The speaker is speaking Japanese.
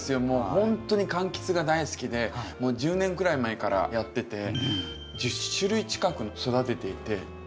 もうほんとに柑橘が大好きでもう１０年ぐらい前からやってて１０種類近く育てていて。